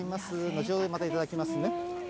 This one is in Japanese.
後ほどまたいただきますね。